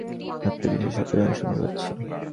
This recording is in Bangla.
একটা কিসের শব্দ যেন শুনতে পাচ্ছি।